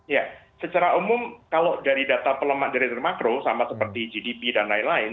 ya secara umum kalau dari data pelemak direktur makro sama seperti gdp dan lain lain